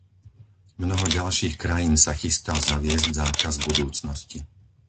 Mnoho ďalších krajín sa chystá zaviesť zákaz v budúcnosti.